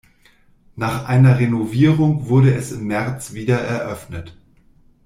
Nach einer Renovierung wurde es im März wiedereröffnet.